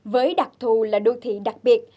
với đặc thù là đô thị đặc biệt